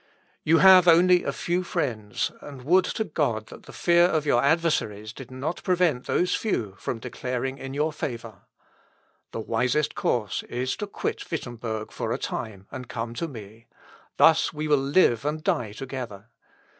You have only a few friends; and would to God that the fear of your adversaries did not prevent those few from declaring in your favour. The wisest course is to quit Wittemberg for a time and come to me. Thus we will live and die together.